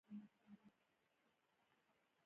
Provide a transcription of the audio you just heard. چین اوس د نړۍ دویم لوی اقتصاد دی.